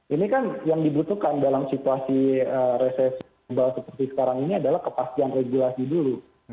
ini kan yang dibutuhkan dalam situasi resesi global seperti sekarang ini adalah kepastian regulasi dulu